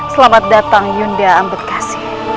selamat datang yunda ambedkasi